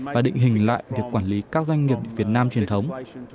và định hình lại việc quản lý các doanh nghiệp việt nam truyền thống